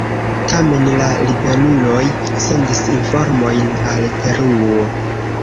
Tamen la ribeluloj sendis informojn al Peruo.